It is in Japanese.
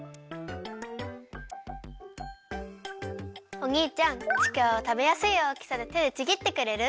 おにいちゃんちくわをたべやすいおおきさにてでちぎってくれる？